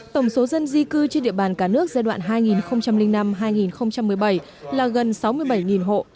tổng số dân di cư trên địa bàn cả nước giai đoạn hai nghìn năm hai nghìn một mươi bảy là gần sáu mươi bảy hộ